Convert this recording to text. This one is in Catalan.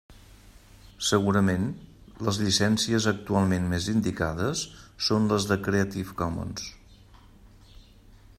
Segurament, les llicències actualment més indicades són les Creative Commons.